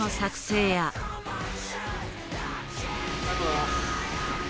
ありがとうございます。